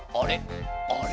あれ？